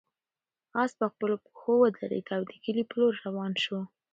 آس په خپلو پښو ودرېد او د کلي په لور روان شو.